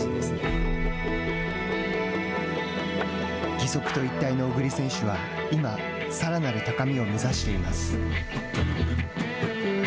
義足と一体の小栗選手は今さらなる高みを目指しています